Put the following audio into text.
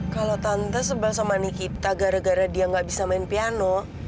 kalau tante sebal somani kita gara gara dia gak bisa main piano